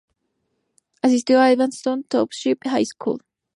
Asistió a Evanston Township High School.